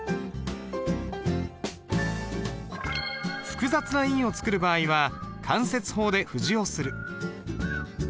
複雑な印を作る場合は間接法で布字をする。